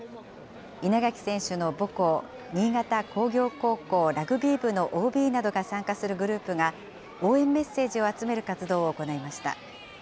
稲垣選手の母校、新潟工業高校ラグビー部のＯＢなどが参加するグループが、応援メッセージを集める活動を行いました。